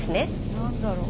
何だろう？